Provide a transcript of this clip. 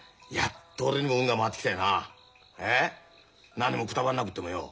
なにもくたばんなくてもよ